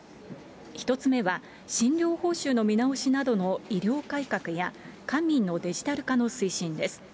１つ目は、診療報酬の見直しなどの医療改革や官民のデジタル化の推進です。